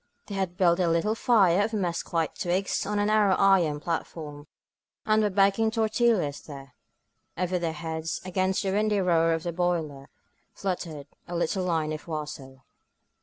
They had built a little fire of mes quite twigs on the narrow iron platform, and were baking tortillas there; over their heads, against the windy roar of the boiler, fluttered a little line of waso.